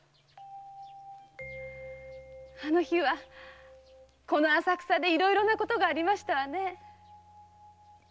あの日はこの浅草でいろいろなことがありましたね。